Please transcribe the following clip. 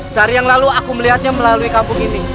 sehari yang lalu aku melihatnya melalui kampung ini